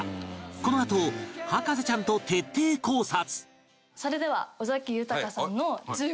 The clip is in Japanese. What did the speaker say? このあと博士ちゃんと徹底考察！